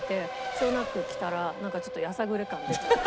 しょうがなく着たらなんかちょっとやさぐれ感出ちゃって。